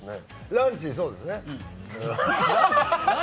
ランチ、そうですね。